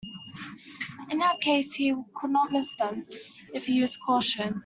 In that case he could not miss them, if he used caution.